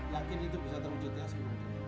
lakin itu bisa terwujud ya sebetulnya